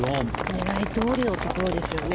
狙いどおりのところですね。